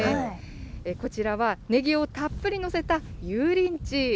こちらはねぎをたっぷり載せた油淋鶏。